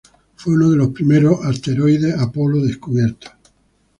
Fue uno de los primeros Asteroide Apolo descubiertos.